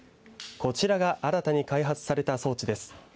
こちらが新たに開発された装置です。